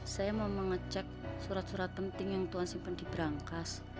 saya mau mengecek surat surat penting yang tuhan simpan di berangkas